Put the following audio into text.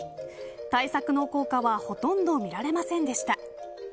対策の効果はほとんど見られませんでした。